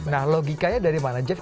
nah logikanya dari mana jeff